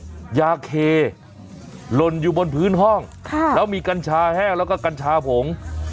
มียาเคหล่นอยู่บนพื้นห้องแล้วมีกัญชาแห้งแล้วก็กัญชาผง